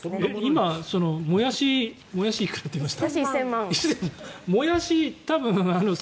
今、モヤシいくらって言いました？